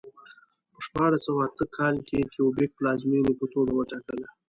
په شپاړس سوه اته کال کې کیوبک پلازمېنې په توګه وټاکله.